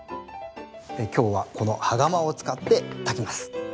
今日はこの羽釜を使って炊きます。